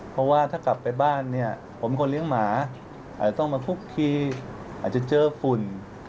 เพราะว่าถ้ากลับไปบ้านเนี่ยผมคนเลี้ยงหมาอาจจะต้องมาคุกคีอาจจะเจอฝุ่น